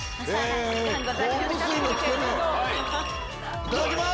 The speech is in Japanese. いただきます！